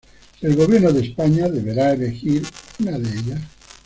El Gobierno de España deberá elegir una de ellas.